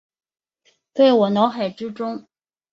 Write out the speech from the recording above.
在我脑海之中